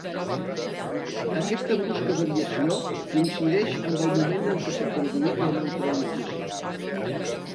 Aquesta brusca variació coincideix amb el moment en què s'ha produït la neutralització.